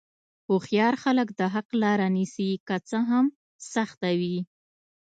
هوښیار خلک د حق لاره نیسي، که څه هم سخته وي.